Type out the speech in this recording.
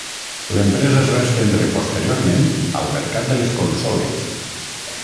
L'empresa es va estendre posteriorment al mercat de les consoles.